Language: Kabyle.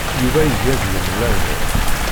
Yuba iga deg-m laman.